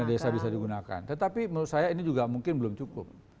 dana desa bisa digunakan tetapi menurut saya ini juga mungkin belum cukup